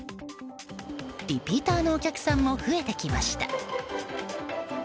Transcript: リピーターのお客さんも増えてきました。